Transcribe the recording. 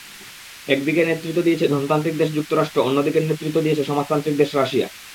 একদিকের নেতৃত্ব দিয়েছে ধনতান্ত্রিক দেশ যুক্তরাষ্ট্র, অন্যদিকের নেতৃত্ব দিয়েছে সমাজতান্ত্রিক দেশ রাশিয়া।